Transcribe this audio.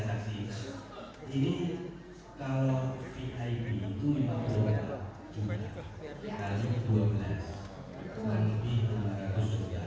saudara saksi apakah saksi itu tanda tangan ya